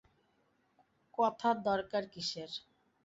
কথার দরকার কিসের।